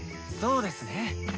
そうですね。